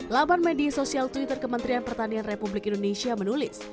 laman media sosial twitter kementerian pertanian republik indonesia menulis